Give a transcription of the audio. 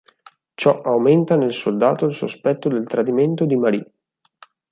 Ciò aumenta nel soldato il sospetto del tradimento di Marie.